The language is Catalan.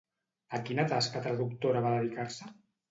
A quina tasca traductora va dedicar-se?